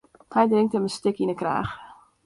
Hy drinkt him in stik yn 'e kraach.